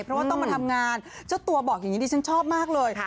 เพราะว่าต้องมาทำงานเจ้าตัวบอกอย่างนี้ดิฉันชอบมากเลย